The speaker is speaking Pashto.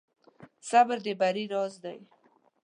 صبر د بری راز دی.